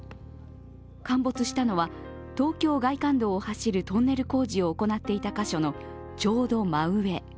陥没したのは東京外環道を走るトンネル工事を行っていた箇所のちょうど真上。